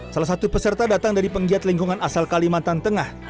salah satu peserta datang dari penggiat lingkungan asal kalimantan tengah